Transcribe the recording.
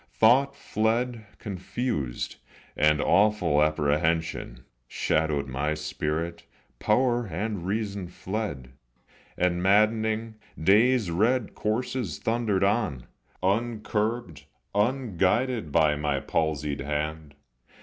Thought fled confused, and awful apprehension Shadowed my spirit, power and reason fled; And, maddening, day's red coursers thundered on, Uncurbed, unguided by my palsied hand.